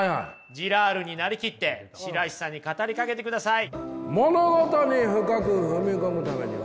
ジラールに成りきって白石さんに語りかけてください。